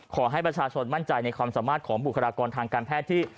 ขอให้ประชาชนมั่นใจในความสามารถของบุคลากรทางการแพทย์ที่